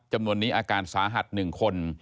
จำนวนนี้อาการสาหัส๑คน